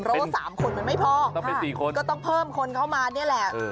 เพราะว่า๓คนมันไม่พอต้องเป็น๔คนก็ต้องเพิ่มคนเข้ามานี่แหละ